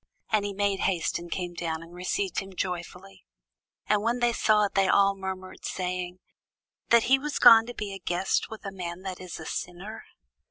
And he made haste, and came down, and received him joyfully. And when they saw it, they all murmured, saying, That he was gone to be guest with a man that is a sinner.